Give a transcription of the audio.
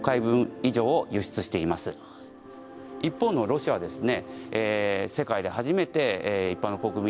一方のロシアはですね